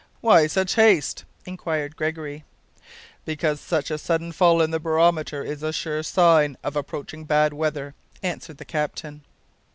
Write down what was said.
"Why such haste?" inquired Gregory. "Because such a sudden fall in the barometer is a sure sign of approaching bad weather," answered the captain.